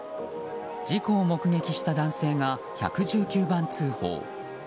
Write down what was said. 事故を目撃した男性が１１９番通報。